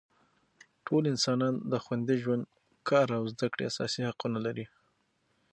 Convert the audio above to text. ټول انسانان د خوندي ژوند، کار او زده کړې اساسي حقونه لري.